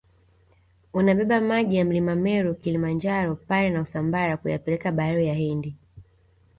unabeba maji ya mlima meru Kilimanjaro pare na usambara kuyapeleka bahari ya hindi